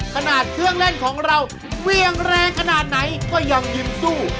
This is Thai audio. ขนาดเครื่องเล่นของเราเวี่ยงแรงขนาดไหนก็ยังยิ้มสู้